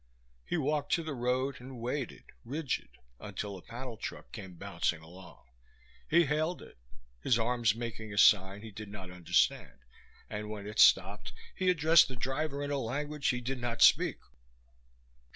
He walked to the road, and waited, rigid, until a panel truck came bouncing along. He hailed it, his arms making a sign he did not understand, and when it stopped he addressed the driver in a language he did not speak.